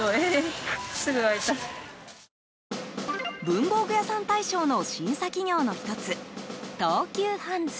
文房具屋さん大賞の審査企業の１つ、東急ハンズ。